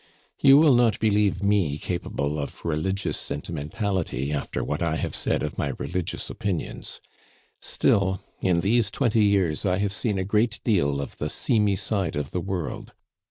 "You will not believe me capable of religious sentimentality after what I have said of my religious opinions. Still, in these twenty years I have seen a great deal of the seamy side of the world.